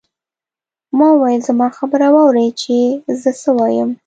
ما وویل زما خبره واورئ چې زه څه وایم.